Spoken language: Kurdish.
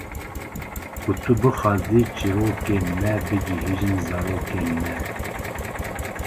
Ku tu bixwazî çêrokên me bigihîjin zarokên me.